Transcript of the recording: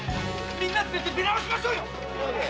みんなを連れて出直しましょうよ。